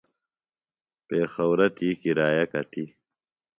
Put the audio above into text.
پیخورہ تی کِرایہ کتِیۡ؟